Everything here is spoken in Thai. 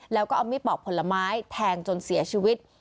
แล้วก็เอามีดปอกผลไม้แทงจนเสียชีวิต